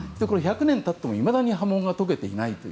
１００年経ってもいまだに破門が解けていない。